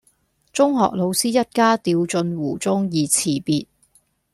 中學老師一家掉進湖中而辭別